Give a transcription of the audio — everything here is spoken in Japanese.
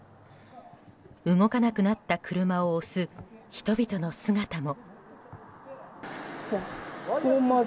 動かなくなった車を押す人々の姿も。